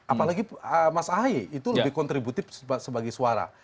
apalagi mas ahaye itu lebih kontributif sebagai suara